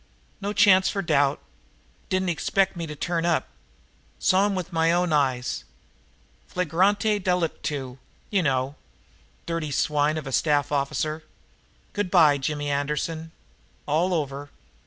No chance for doubt didn't expect me to turn up saw them with my own eyes flagrante delictu, you know dirty swine of a staff officer! Good bye, Jimmy Anderson! All over!